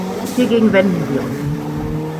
Hiergegen wenden wir uns.